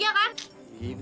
jangan lupa bu